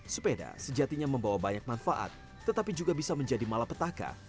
sepeda sejatinya membawa banyak manfaat tetapi juga bisa menjadi malapetaka